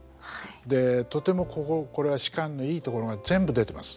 でとてもこれは芝のいいところが全部出てます。